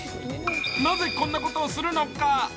なぜこんなことをするのか。